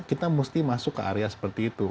kita mesti masuk ke area seperti itu